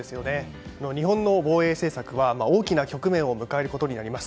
日本の防衛政策は大きな局面を迎えることになります。